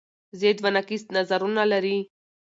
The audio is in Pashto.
ضد و نقیص نظرونه لري